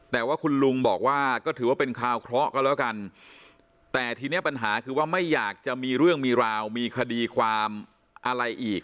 แต่ว่าคุณลุงบอกว่าก็ถือว่าเป็นคราวเคราะห์ก็แล้วกันแต่ทีนี้ปัญหาคือว่าไม่อยากจะมีเรื่องมีราวมีคดีความอะไรอีก